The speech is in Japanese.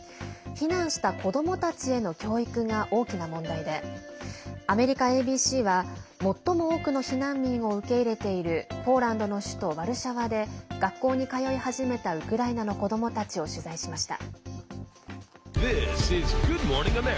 避難した子どもたちへの教育が大きな問題で、アメリカＡＢＣは最も多くの避難民を受け入れているポーランドの首都ワルシャワで学校に通い始めたウクライナの子どもたちを取材しました。